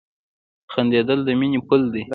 • خندېدل د مینې پل دی.